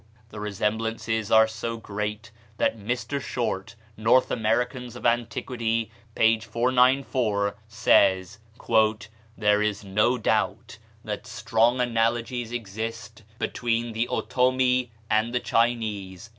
The resemblances are so great that Mr. Short ("North Americans of Antiquity," p. 494) says, "There is no doubt that strong analogies exist between the Otomi and the Chinese."